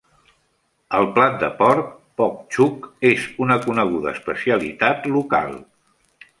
El plat de porc "poc-chuc" és una coneguda especialitat local.